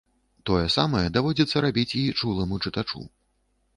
Тое самае даводзіцца рабіць і чуламу чытачу.